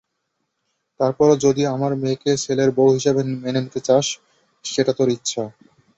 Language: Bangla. তারপরও যদি আমার মেয়েকে ছেলের বউ হিসেবে মেনে নিতে চাস সেটা তোর ইচ্ছা।